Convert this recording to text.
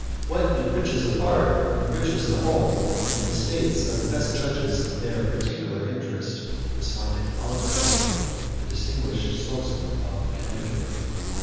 "What enriches a part enriches the whole and the states are the best judges of their particular interest," responded Oliver Ellsworth, the distinguished spokesman of Connecticut.